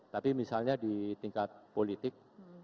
tapi misalnya di tingkat politik